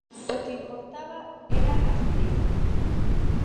O que importaba era a escrita.